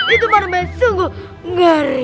itu bareng bareng sungguh ngeri